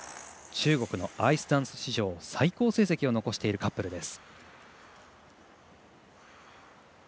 中国のアイスダンス史上最高成績を残しているカップル。